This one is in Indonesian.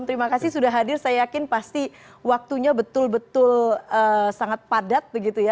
terima kasih sudah hadir saya yakin pasti waktunya betul betul sangat padat begitu ya